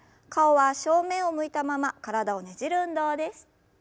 顔は正面を向いたまま体をねじる運動です。